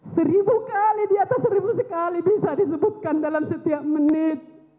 seribu kali di atas seribu sekali bisa disebutkan dalam setiap menit